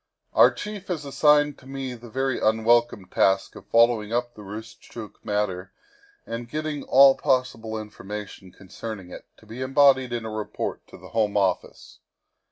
Our chief has assigned to me the very unwelcome task of following up the Roostchook matter and getting all pos sible information concerning it, to be embodied in a report to the Home Office.